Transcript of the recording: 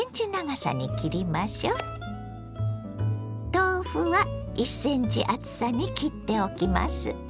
豆腐は１ｃｍ厚さに切っておきます。